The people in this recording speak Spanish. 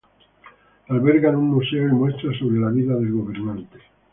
Albergan un museo y muestras sobre la vida del gobernante.